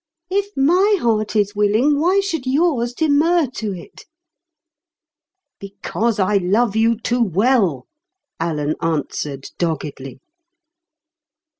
If my heart is willing, why should yours demur to it?" "Because I love you too well," Alan answered doggedly.